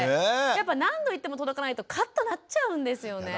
やっぱ何度言っても届かないとカッとなっちゃうんですよね。